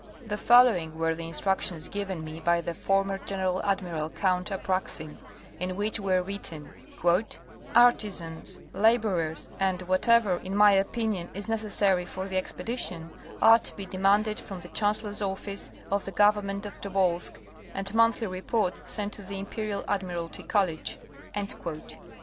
The following were the instructions given me by the former General Admiral Count Apraxin, in which were written: " Arti sans, laborers and whatever, in my opinion, is necessary for the expedition, are to be demanded from the chancellor's office of the government of Tobolsk and monthly reports sent to the Imperial Admiralty College."